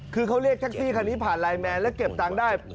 คือเขาเรียกแท็กซี่คันนี้ผ่านไลน์แมนแล้วเก็บตังค์ได้